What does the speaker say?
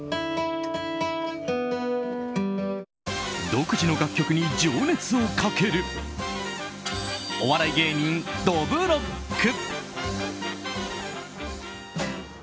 独自の楽曲に情熱をかけるお笑い芸人、どぶろっく。